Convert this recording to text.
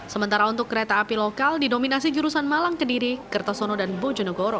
sementara untuk kereta api lokal didominasi jurusan malang kediri kertosono dan bojonegoro